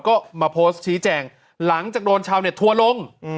ก็มาโพสต์ชี้แจงหลังจากโดนชาวเน็ตทัวร์ลง